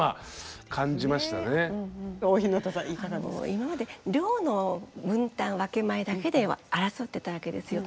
今まで量の分担分け前だけで争ってたわけですよ。